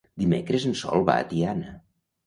Dimecres en Sol va a Tiana.